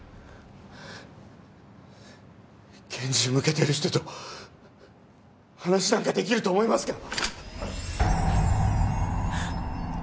拳銃向けてる人と話なんか出来ると思いますか！